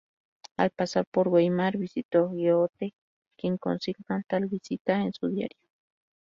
Al pasar por Weimar, visitó a Goethe, quien consigna tal visita en su diario.